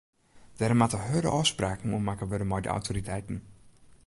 Dêr moatte hurde ôfspraken oer makke wurde mei de autoriteiten.